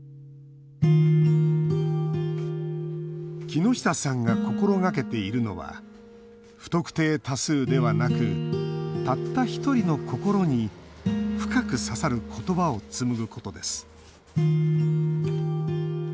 木下さんが心がけているのは不特定多数ではなくたった一人の心に深く刺さる言葉を紡ぐことです